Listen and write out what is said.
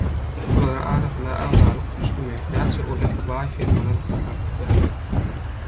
Olaryň arasyna agzalyk düşdümi, näçe uly, baý firmalar pytrap gidýärler.